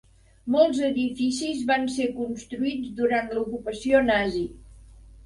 Molts edificis van ser construïts durant l'ocupació nazi.